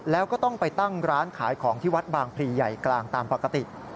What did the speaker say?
แล้วก็ต้องไปตั้งร้านขายของที่วัดบางพลีใหญ่กลางตามปกติ